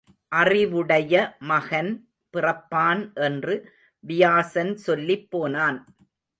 அறிவுடைய மகன் பிறப்பான் என்று வியாசன் சொல்லிப் போனான்.